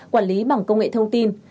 quản lý bằng công nghệ thông tin